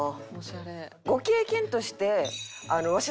ご経験としてわし